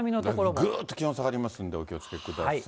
だからぐーっと気温下がりますんで、お気をつけください。